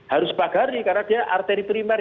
harus pagari karena dia arteri primer